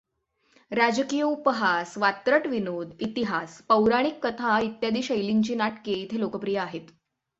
राजकीय उपहास, वात्रट विनोद, इतिहास, पौराणिक कथा इत्यादी शैलींची नाटके इथे लोकप्रिय आहेत.